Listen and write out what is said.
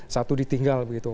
satu ditinggal begitu